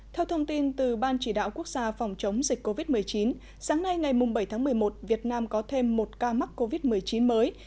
theo thông tin từ ban chỉ đạo quốc gia phòng chống dịch covid một mươi chín sáng nay ngày bảy tháng một mươi một việt nam có thêm một ca mắc covid một mươi chín mới